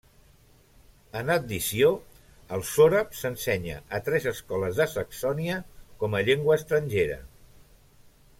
En addició, el sòrab s'ensenya a tres escoles de Saxònia com a llengua estrangera.